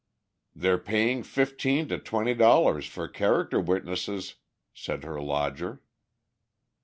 "They're paying fifteen to twenty dollars for 'character' witnesses," said her lodger.